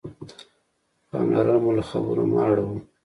پاملرنه مو له خبرو مه اړوئ.